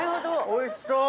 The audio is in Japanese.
おいしそう！